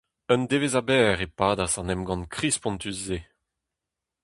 Un devezh a-bezh e padas an emgann kriz-spontus-se.